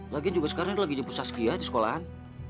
lagian juga sekarang dia lagi jemput saskia di sekolahan